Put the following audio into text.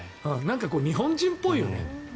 日本人っぽいよね。